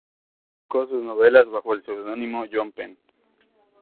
Publicó sus novelas bajo el seudónimo John Pen.